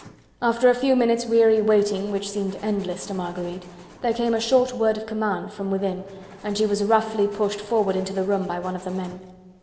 After a few minutes' weary waiting which seemed endless to Marguerite, there came a short word of command from within and she was roughly pushed forward into the room by one of the men.